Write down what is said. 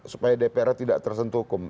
supaya dpr tidak tersentuh hukum